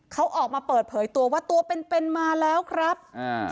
เขาออกมาเปิดเผยตัวว่าตัวเป็นเป็นมาแล้วครับอ่า